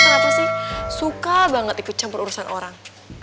kenapa sih suka banget ikut campur urusan orang